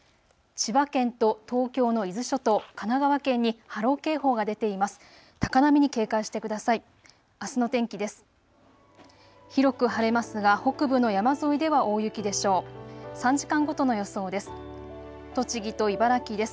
千葉県と東京の伊豆諸島、神奈川県に波浪警報が出ています。